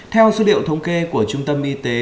theo số liệu thống kê của trung tâm y tế